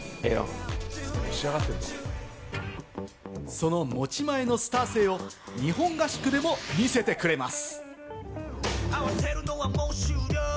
その持ち前のスター性を日本合宿でも見せてくれます。